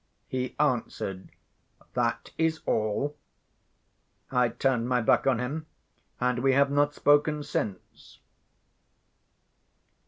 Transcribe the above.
He answered, "That is all." I turned my back on him; and we have not spoken since.